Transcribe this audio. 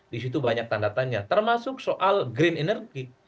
di situ banyak tanda tanya termasuk soal green energy